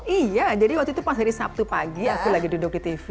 iya jadi waktu itu pas hari sabtu pagi aku lagi duduk di tv